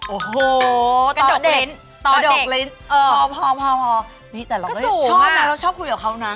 โอ้โหกระดกลิ้นพอพอนี่แต่เราก็ชอบนะเราชอบคุยกับเขานะ